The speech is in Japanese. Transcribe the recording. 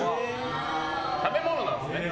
食べ物なんですね。